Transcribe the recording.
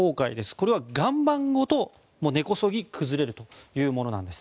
これは岩盤ごと根こそぎ崩れるというものなんです。